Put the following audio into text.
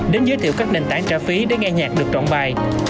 đến giới thiệu các nền tảng trả phí để nghe nhạc được trọng bài